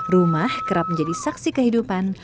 rumah kerap menjadi saksi kehidupan